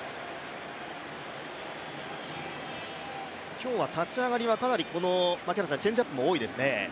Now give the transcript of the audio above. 今日は立ち上がりはかなりチェンジアップも多いですね。